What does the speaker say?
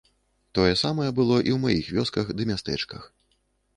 Тое самае было і ў маіх вёсках ды мястэчках.